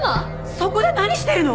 そこで何してるの！？